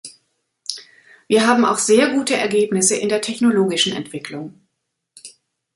Wir haben auch sehr gute Ergebnisse in der technologischen Entwicklung.